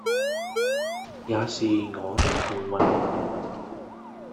也是我的幸運